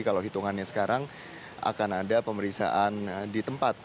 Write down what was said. kalau hitungannya sekarang akan ada pemeriksaan di tempat